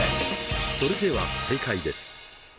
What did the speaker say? それでは正解です。